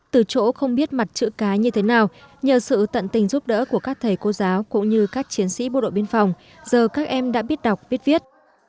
từ chỗ không biết mặt chữ cái như thế nào nhờ sự tận tình giúp đỡ của các thầy cô giáo cũng như các chiến sĩ bộ đội biên phòng giờ các em đã biết đọc biết viết